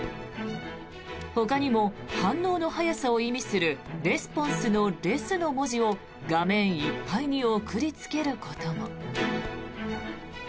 ほかにも反応の早さを意味するレスポンスのレスの文字を画面いっぱいに送りつけることも。